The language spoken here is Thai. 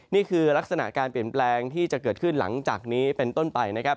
นี่คือลักษณะการเปลี่ยนแปลงที่จะเกิดขึ้นหลังจากนี้เป็นต้นไปนะครับ